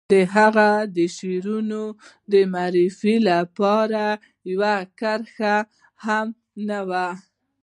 د هغه د شعرونو د معرفي لپاره يوه کرښه هم نه وه.